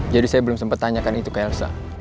jadi saya belum sempat tanyakan itu ke elsa